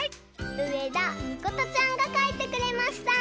うえだみことちゃんがかいてくれました！